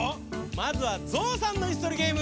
まずはゾウさんのいすとりゲーム。